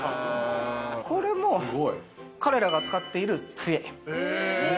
これも彼らが使っている杖。